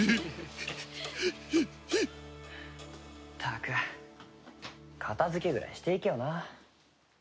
ったく片付けぐらいしていけよな。